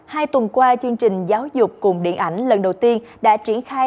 hai tuần qua chương trình giáo dục cùng điện ảnh lần đầu tiên đã triển khai